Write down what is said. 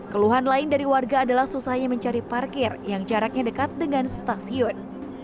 keluhan lain dari warga adalah susahnya mencari parkir yang jaraknya dekat dengan stasiun